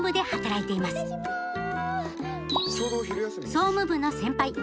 総務部の先輩坂東